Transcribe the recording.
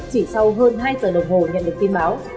chỉ sau hơn hai giờ đồng hồ nhận được tin báo